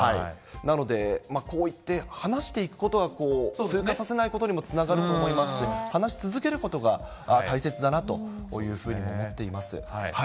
なので、こういって話していくことが風化させないことにもつながると思いますし、話し続けることが大切だなというふうに思っています。